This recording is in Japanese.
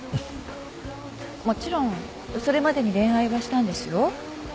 もちろんそれまでに恋愛はしたんですよ。